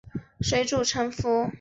元符年间宋徽宗封雍国大长公主。